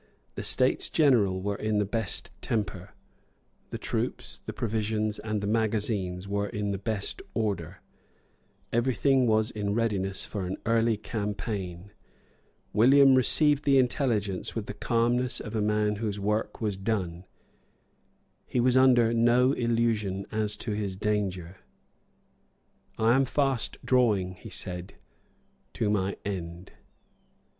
The States General were in the best temper; the troops, the provisions and the magazines were in the best order. Every thing was in readiness for an early campaign. William received the intelligence with the calmness of a man whose work was done. He was under no illusion as to his danger. "I am fast drawing," he said, "to my end."